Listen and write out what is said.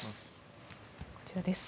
こちらです。